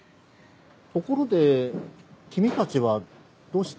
ところで君たちはどうして？